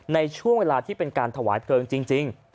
ในช่วงเวลาที่เป็นการถวายเพลิงจริง